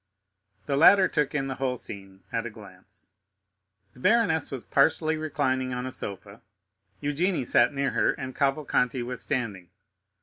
The latter took in the whole scene at a glance. The baroness was partially reclining on a sofa, Eugénie sat near her, and Cavalcanti was standing.